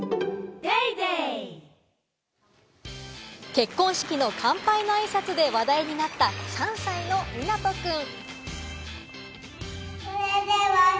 結婚式の乾杯のあいさつで、話題になった３歳のみなとくん。